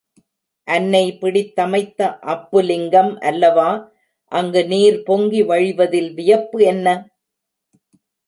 அன்னை பிடித்தமைத்த அப்புலிங்கம் அல்லவா, அங்கு நீர் பொங்கி வழிவதில் வியப்பு என்ன?